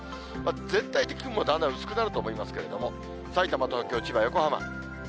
全体的にだんだん薄くなると思いますけれども、さいたま、東京、千葉、横浜。